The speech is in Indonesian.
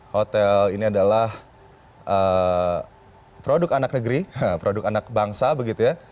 hotel ini adalah produk anak negeri produk anak bangsa begitu ya